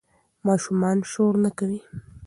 ماشومان شور نه کوي.